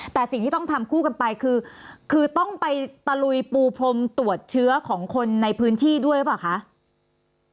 แต่สิ่งที่ต้องทำคู่กันไปคือต้องไปตะลุยปูพรมตรวจเชื้อของคนในพื้นที่ด้วยหรือเปล่าคะ